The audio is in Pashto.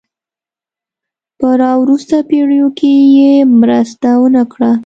په را وروسته پېړیو کې یې مرسته ونه کړه.